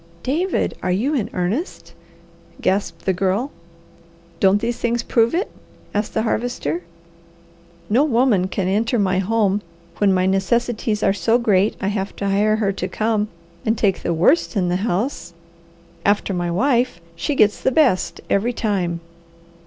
"David, are you in earnest?" gasped the Girl. "Don't these things prove it?" asked the Harvester. "No woman can enter my home, when my necessities are so great I have to hire her to come, and take the WORST in the house. After my wife, she gets the best, every time.